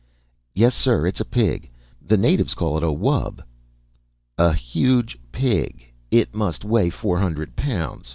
"Yes sir, it's a pig. The natives call it a wub." "A huge pig. It must weigh four hundred pounds."